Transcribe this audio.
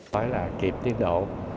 nói là kịp tiến độ